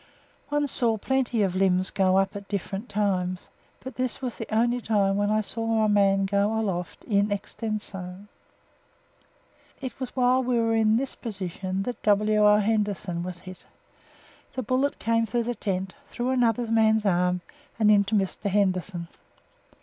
One saw plenty of limbs go up at different times, but this was the only time when I saw a man go aloft in extenso. It was while we were in this position that W.O. Henderson was hit; the bullet came through the tent, through another man's arm and into Mr. Henderson.